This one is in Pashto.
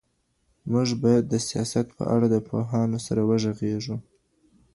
موږ بايد د سياست په اړه د پوهانو سره وږغېږو.